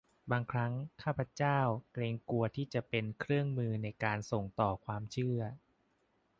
บางครั้งข้าพเจ้าเกรงกลัวที่จะเป็นเครื่องมือในการส่งต่อความเชื่อ